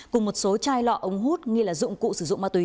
cùng một số chai lọ ống hút nghi là dụng cụ sử dụng ma túy